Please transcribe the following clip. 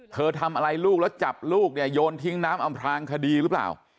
เธอทำอะไรลูกแล้วจับลูกเนี่ยโยนทิ้งน้ำอำพลางคดีหรือเปล่า